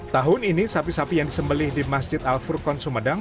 tahun ini sapi sapi yang disembelih di masjid al furqon sumedang